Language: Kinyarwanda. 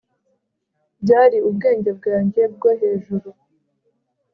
byari ubwenge bwanjye bwo hejuru